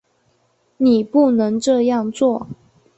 你不能这样做